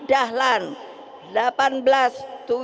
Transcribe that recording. nyai ahmad dahlan